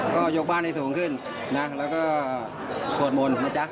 ก็ยกบ้านให้สูงขึ้นนะแล้วก็สวดมนต์นะจ๊ะ